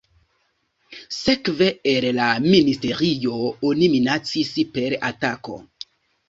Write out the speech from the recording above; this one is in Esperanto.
Sekve el la ministerio oni minacis per atako.